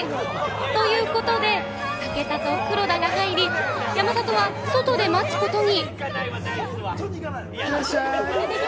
ということで、武田と黒田が入り、山里は外で待つことに。